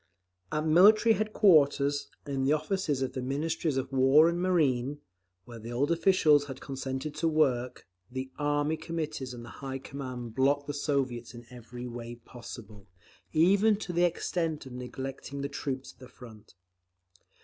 At Military headquarters, and in the offices of the Ministries of War and Marine, where the old officials had consented to work, the Army Committees and the high command blocked the Soviets in every way possible, even to the extent of neglecting the troops at the front.